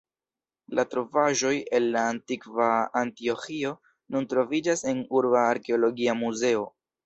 La trovaĵoj el la antikva Antioĥio nun troviĝas en urba arkeologia muzeo.